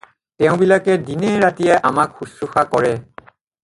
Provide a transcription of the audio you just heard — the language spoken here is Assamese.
তেওঁবিলাকে দিনে ৰাতিয়ে আমাক শুশ্ৰুষা কৰে।